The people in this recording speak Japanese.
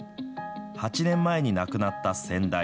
８年前に亡くなった先代。